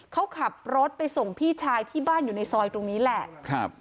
เขาขับรถไปส่งพี่ชายที่บ้านอยู่ในซอยตรงนี้แหละครับ